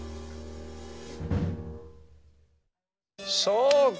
そうか！